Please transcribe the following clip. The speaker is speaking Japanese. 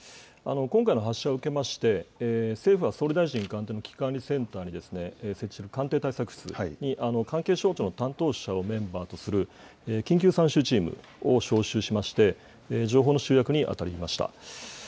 今回の発射を受けまして、政府は総理大臣官邸の危機管理センターに設置する官邸対策室に関係省庁の担当者をメンバーとする緊急参集チームを招集しまして、情報の集約に当たりました。